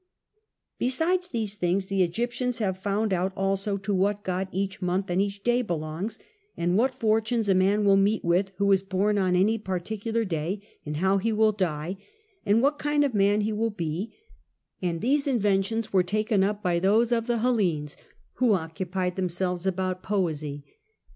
Besides these things the Egyptians have found out also to what god each month and each day belongs, and what fortunes a man will meet with who is born on any particular day, and how he will die, and what kind of a man he will be: and these inventions were taken up by those of the Hellenes who occupied themselves about poesy.